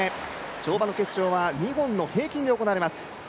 跳馬の決勝は２本の平均で行われます。